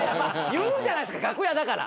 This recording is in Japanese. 言うじゃないですか楽屋だから。